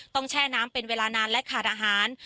แช่น้ำเป็นเวลานานและขาดอาหาร